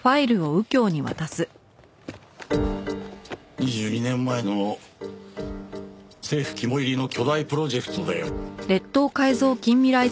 ２２年前の政府肝煎りの巨大プロジェクトだよ。